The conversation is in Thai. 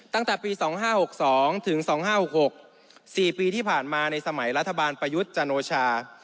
ตั้งแต่ปี๒๕๖๒ถึง๒๕๖๖๔ปีที่ผ่านมาในสมัยรัฐบาลประยุทธ์จันโอชา